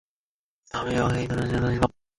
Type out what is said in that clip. Captain Lucas survived.